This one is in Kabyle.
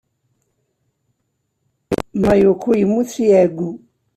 Mayuko yemmut si ɛeggu.